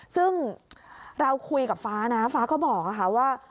ซึ่งเราคุยกับฟ้านะฟ้าก็บอกค่ะว่า